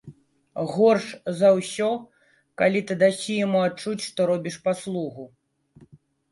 Горш за ўсё, калі ты дасі яму адчуць, што робіш паслугу.